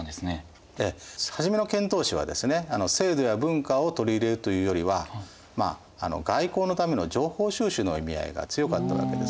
初めの遣唐使はですね制度や文化を取り入れるというよりは外交のための情報収集の意味合いが強かったわけですね。